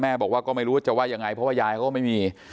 บอกว่าก็ไม่รู้ว่าจะว่ายังไงเพราะว่ายายเขาก็ไม่มี